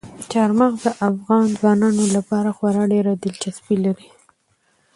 چار مغز د افغان ځوانانو لپاره خورا ډېره دلچسپي لري.